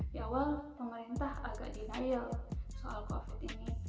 di awal pemerintah agak denial soal covid ini